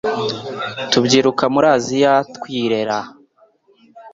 Tubyiruka muri Azia twirera